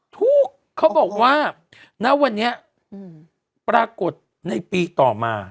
เขาบอกว่าณวันนี้ปรากฏในปีต่อมา